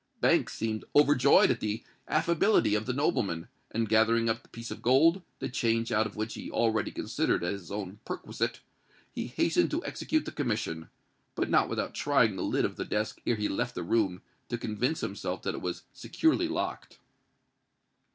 Banks seemed overjoyed at the affability of the nobleman; and gathering up the piece of gold, the change out of which he already considered as his own perquisite, he hastened to execute the commission;—but not without trying the lid of the desk ere he left the room, to convince himself that it was securely locked.